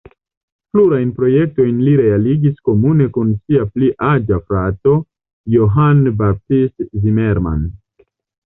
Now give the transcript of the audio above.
Plurajn projektojn li realigis komune kun sia pli aĝa frato Johann Baptist Zimmermann.